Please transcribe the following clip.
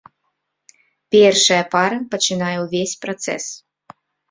Першая пара пачынае ўвесь працэс.